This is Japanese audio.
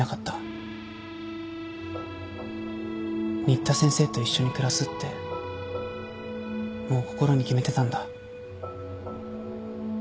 新田先生と一緒に暮らすってもう心に決めてたんだ。